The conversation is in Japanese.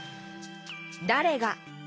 「だれが」